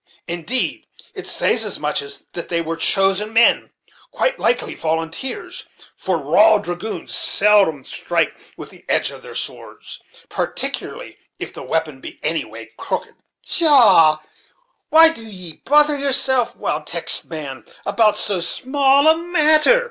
Indeed, it says as much as that they were chosen men; quite likely volunteers; for raw dragoons seldom strike with the edge of their swords, particularly if the weapon be any way crooked." "Pshaw! why do ye bother yourself wid texts, man, about so small a matter?"